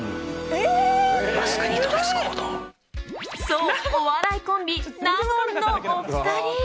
そう、お笑いコンビ納言のお二人。